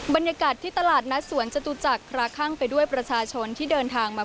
บรรยากาศที่ตลาดนัดสวนจตุจักรคล้าข้างไปด้วยประชาชนที่เดินทางมา